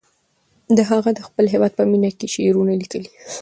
هغه د خپل هېواد په مینه کې شعرونه لیکي.